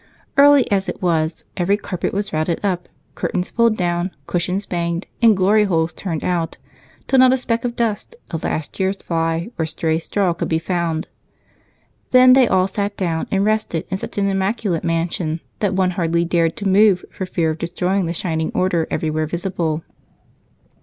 Early as it was, every carpet was routed up, curtains pulled down, cushions banged, and glory holes turned out till not a speck of dust, a last year's fly, or stray straw could be found. Then they all sat down and rested in such an immaculate mansion that one hardly dared to move for fear of destroying the shining order everywhere visible.